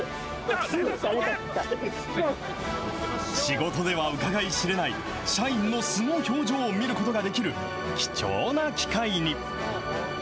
仕事ではうかがい知れない、社員の素の表情を見ることができる貴重な機会に。